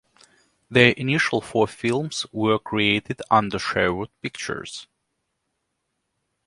Their initial four films were created under Sherwood Pictures.